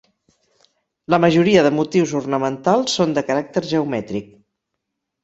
La majoria de motius ornamentals són de caràcter geomètric.